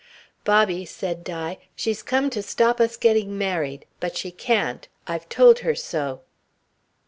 "Bobby," said Di, "she's come to stop us getting married, but she can't. I've told her so."